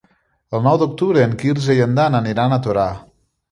El nou d'octubre en Quirze i en Dan aniran a Torà.